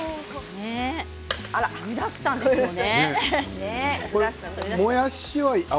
具だくさんですよね。